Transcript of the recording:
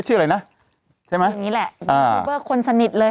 ชื่ออะไรนะใช่ไหมอย่างนี้แหละอ่าทูบเบอร์คนสนิทเลย